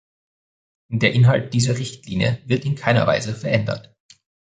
Der Inhalt dieser Richtlinie wird in keiner Weise verändert.